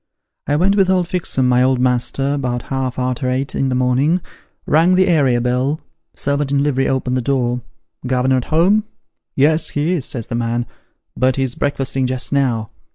I went with old Fixem, my old master, 'bout half arter eight in the morning; rang the area bell; servant in livery opened the door :' Governor at home ?'' Yes, he is,' says the man ;' but he's breakfasting just now.'